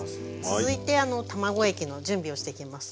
続いて卵液の準備をしていきます。